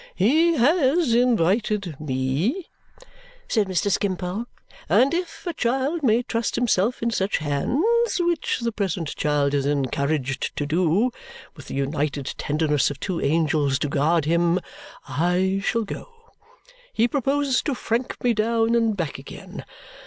"He has invited me," said Mr. Skimpole; "and if a child may trust himself in such hands which the present child is encouraged to do, with the united tenderness of two angels to guard him I shall go. He proposes to frank me down and back again.